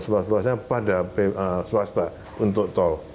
ada peluang yang swasta swasta untuk tol